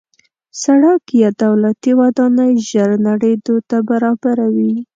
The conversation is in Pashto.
سړک یا دولتي ودانۍ ژر نړېدو ته برابره وي.